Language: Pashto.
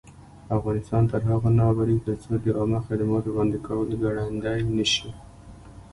افغانستان تر هغو نه ابادیږي، ترڅو د عامه خدماتو وړاندې کول ګړندی نشي.